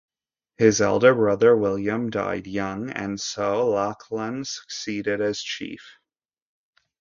His elder brother William had died young and so Lachlan succeeded as chief.